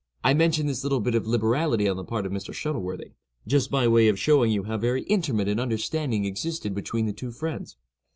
I mention this little bit of liberality on the part of Mr. Shuttleworthy, just by way of showing you how very intimate an understanding existed between the two friends.